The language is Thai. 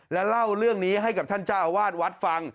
และเล่าเรื่องนี้ให้กับท่านเจ้าอาวาสวัดฟัง